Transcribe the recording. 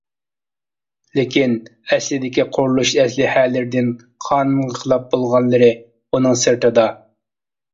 لېكىن، ئەسلىدىكى قۇرۇلۇش ئەسلىھەلىرىدىن قانۇنغا خىلاپ بولغانلىرى بۇنىڭ سىرتىدا.